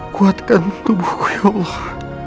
kuatkan tubuhku ya allah